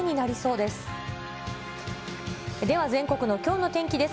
では、全国のきょうの天気です。